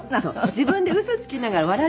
自分で嘘つきながら笑っちゃうから。